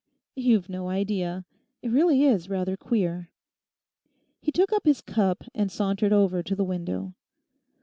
You've no idea! It really is rather queer.' He took up his cup and sauntered over to the window.